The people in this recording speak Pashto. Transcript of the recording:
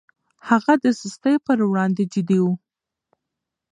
هغه د سستي پر وړاندې جدي و.